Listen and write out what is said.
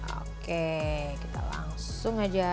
oke kita langsung aja